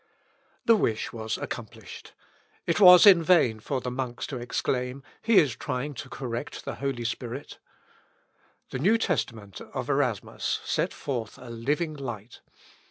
The wish was accomplished. It was in vain for the monks to exclaim, "He is trying to correct the Holy Spirit." The new Testament of Erasmus sent forth a living light.